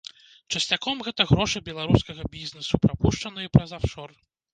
Часцяком гэта грошы беларускага бізнэсу, прапушчаныя праз афшор.